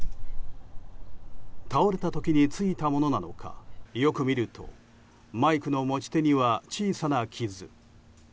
倒れた時についたものなのかよく見るとマイクの持ち手には小さな傷。